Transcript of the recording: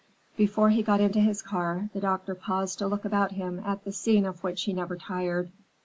Before he got into his car, the doctor paused to look about him at the scene of which he never tired.